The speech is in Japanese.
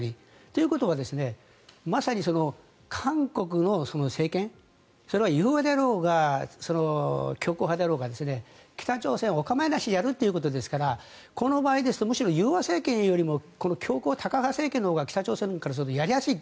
ということは、まさに韓国の政権それは融和だろうが強硬派だろうが北朝鮮はお構いなしにやるということですからこの場合ですとむしろ融和政権よりも強硬タカ派政権のほうが北朝鮮からするとやりやすい。